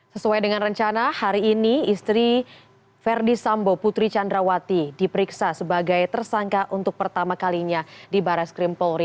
sesuai dengan rencana hari ini istri verdi sambo putri candrawati diperiksa sebagai tersangka untuk pertama kalinya di barres krim polri